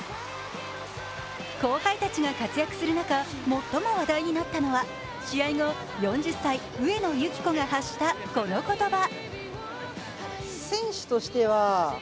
後輩たちが活躍する中最も話題になったのは、試合後、４０歳・上野由岐子が発したこの言葉。